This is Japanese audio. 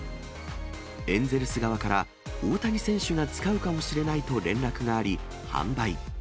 エンゼルス側から大谷選手が使うかもしれないと連絡があり、販売。